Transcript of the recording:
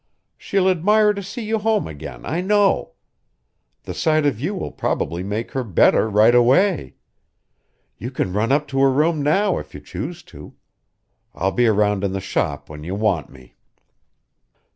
She'll admire to see you home again, I know. The sight of you will probably make her better right away. You can run up to her room now if you choose to. I'll be round in the shop when you want me."